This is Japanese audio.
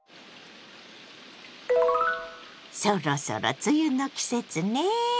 そろそろ梅雨の季節ね。